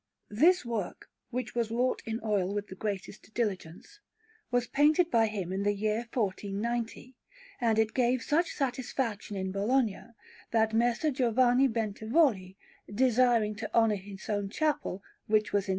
This work, which was wrought in oil with the greatest diligence, was painted by him in the year 1490; and it gave such satisfaction in Bologna, that Messer Giovanni Bentivogli, desiring to honour his own chapel, which was in S.